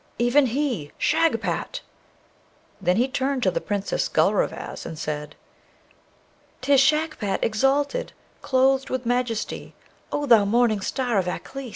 even he, Shagpat!' Then he turned to the Princess Gulrevaz, and said, ''Tis Shagpat, exalted, clothed with majesty, O thou morning star of Aklis!'